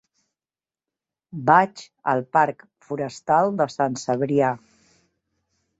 Vaig al parc Forestal de Sant Cebrià.